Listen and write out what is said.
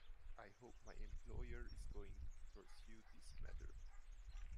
I hope my employer is going to pursue this matter.